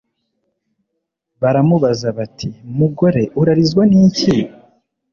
Baramubaza bati: "Mugore urarizwa ni iki?"